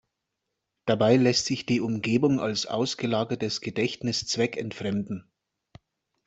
Dabei lässt sich die Umgebung als ausgelagertes Gedächtnis zweckentfremden.